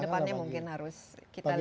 kedepannya mungkin harus kita lihat